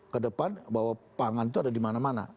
kedepan bahwa pangan itu ada dimana mana